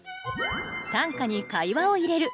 短歌に会話を入れる。